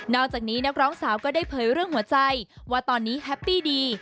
อกจากนี้นักร้องสาวก็ได้เผยเรื่องหัวใจว่าตอนนี้แฮปปี้ดี